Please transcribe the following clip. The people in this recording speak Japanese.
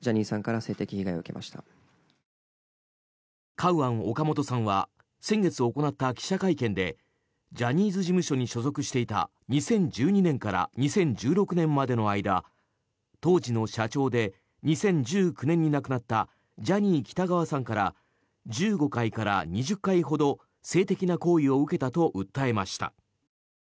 カウアン・オカモトさんは先月行った記者会見でジャニーズ事務所に所属していた２０１２年から２０１６年までの間当時の社長で２０１９年に亡くなったジャニー喜多川さんから１５回から２０回ほど性的な行為を受けたと訴えました。